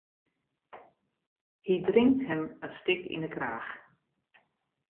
Hy drinkt him in stik yn 'e kraach.